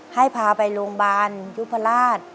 ให้พาไปโรงพยาบาลยุพราช